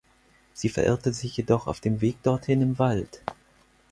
Sie verirrte sich jedoch auf dem Weg dorthin im Wald.